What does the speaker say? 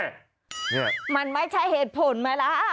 นี่มันไม่ใช่เหตุผลไหมล่ะ